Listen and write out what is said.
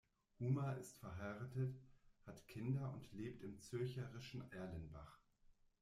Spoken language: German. Humer ist verheiratet, hat Kinder und lebt im zürcherischen Erlenbach.